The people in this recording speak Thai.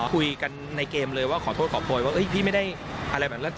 คุยกันในเกมเลยว่าขอโทษขอโพยว่าพี่ไม่ได้อะไรแบบนั้น